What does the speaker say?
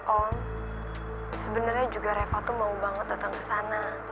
om sebenernya juga reva tuh mau banget datang kesana